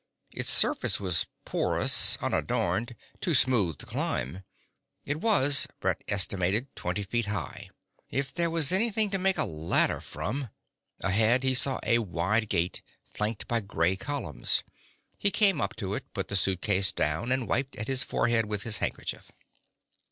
Its surface was porous, unadorned, too smooth to climb. It was, Brett estimated, twenty feet high. If there were anything to make a ladder from Ahead he saw a wide gate, flanked by grey columns. He came up to it, put the suitcase down, and wiped at his forehead with his handkerchief.